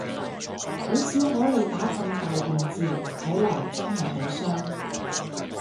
好少可你打咁大段字，睇嚟真係好傷